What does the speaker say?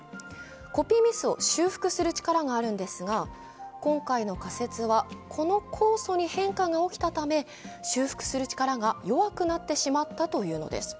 コピーミスを修復する力があるんですが、今回の仮説は、この酵素に変化が起きたため、修復する力が弱くなってしまったというのです。